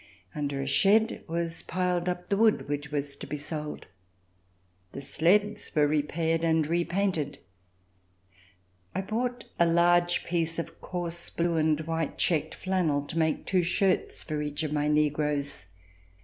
Under a shed was piled up the wood which was to be sold. The sleds were re [233 ] RECOLLECTIONS OF THE REVOLUTION paired and repainted. I bought a large piece of coarse blue and white checked flannel to make two shirts for each of my negroes.